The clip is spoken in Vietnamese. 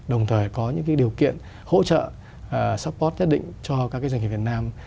đồng thời có những điều kiện hỗ trợ support nhất định cho các doanh nghiệp việt nam